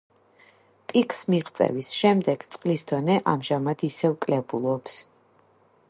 პიკს მიღწევის შემდეგ წყლის დონე ამჟამად ისევ კლებულობს.